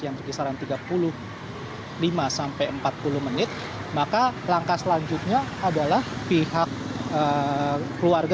yang berkisaran tiga puluh lima sampai empat puluh menit maka langkah selanjutnya adalah pihak keluarga